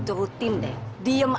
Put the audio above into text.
aku akan terus jaga kamu